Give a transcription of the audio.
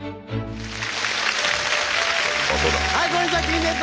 はいこんにちは麒麟です。